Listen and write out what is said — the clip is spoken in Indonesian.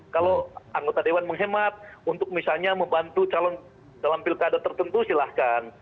kalau anggota dewan menghemat untuk misalnya membantu calon dalam pilkada tertentu silahkan